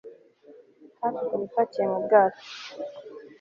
hafi ku bipakiye mu bwato